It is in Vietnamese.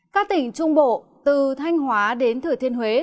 các tỉnh trung bộ từ thanh hóa đến thừa thiên huế